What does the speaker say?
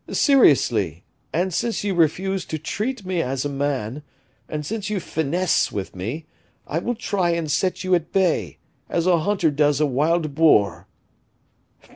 "Seriously, and since you refuse to treat me as a man, and since you finesse with me, I will try and set you at bay, as a hunter does a wild boar."